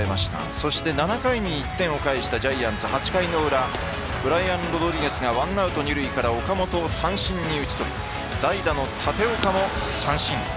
そして７回に１点を返したジャイアンツ８回の裏ブライアン・ロドリゲスがワンアウト二塁から岡本を三振に打ち取り代打の立岡も三振。